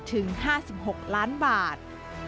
ถึง๕๖ล้านบาท